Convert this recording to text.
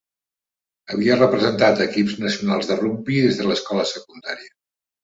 Havia representat a equips nacionals de rugbi des de l'escola secundària.